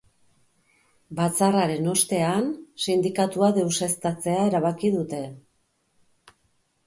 Batzarraren ostean, sindikatua deseuztatzea erabaki dute.